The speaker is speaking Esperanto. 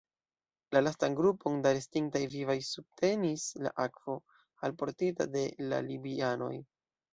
La lastan grupon da restintaj vivaj subtenis la akvo, alportita de la libianoj.